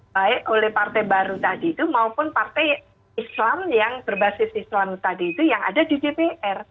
baik oleh partai baru tadi itu maupun partai islam yang berbasis islam tadi itu yang ada di dpr